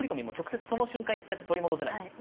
もう直接その瞬間いっちゃって取り戻せない。